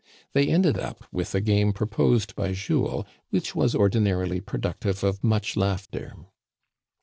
They ended up with a game proposed by Jules, which was ordinarily productive of much laughter.